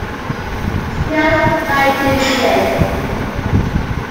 Hill's "Light Division".